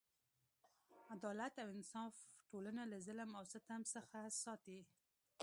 عدالت او انصاف ټولنه له ظلم او ستم څخه ساتي.